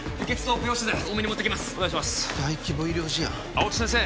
青戸先生